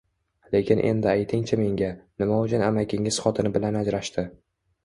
Lekin endi ayting-chi menga, nima uchun amakingiz xotini bilan ajrashdi